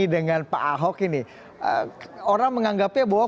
dengan pak ahok ini orang menganggapnya bahwa